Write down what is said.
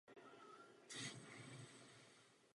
Další vlna jezdců svobody byla zatčena již rovnou v Montgomery.